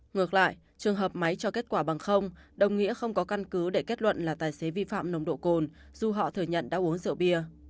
ngược lại trường hợp máy cho kết quả bằng không đồng nghĩa không có căn cứ để kết luận là tài xế vi phạm nồng độ cồn dù họ thừa nhận đã uống rượu bia